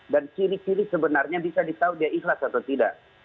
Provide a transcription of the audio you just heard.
dan ciri ciri sebenarnya bisa ditahu dia ikhlas atau tidak